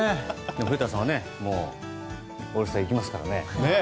古田さんはオールスター行きますからね。